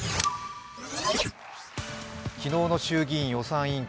昨日の衆議院予算委員会。